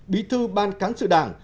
bí thư ban cán sự đảng